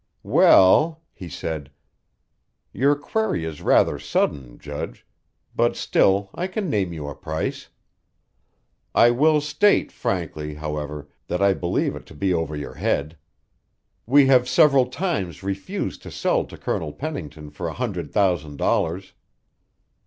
"Well," he said, "your query is rather sudden, Judge, but still I can name you a price. I will state frankly, however, that I believe it to be over your head. We have several times refused to sell to Colonel Pennington for a hundred thousand dollars."